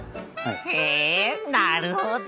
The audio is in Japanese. へえなるほど。